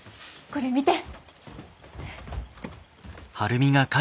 これ見て。